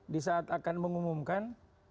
di saat akan mengumumkan